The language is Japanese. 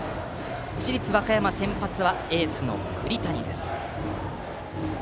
市立和歌山の先発はエースの栗谷です。